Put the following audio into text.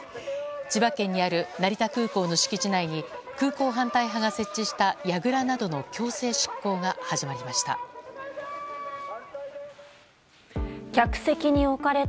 千葉県にある成田空港の敷地内に空港反対派が設置したやぐらなどの強制執行が始まりました。